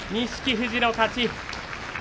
富士の勝ち。